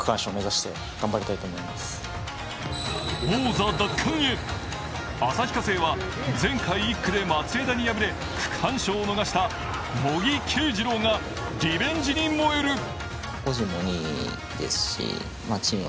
王座奪還へ、旭化成は前回１区で松枝に敗れ、区間賞を逃した茂木圭次郎がリベンジに燃える。